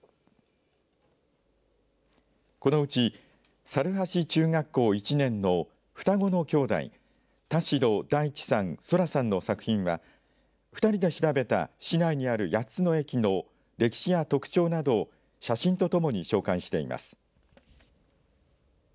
このうち、猿橋中学校１年の双子のきょうだい田代大智さん、空良さんの作品は２人で調べた市内にある８つの駅の歴史や特徴などを写真とともに紹介しています。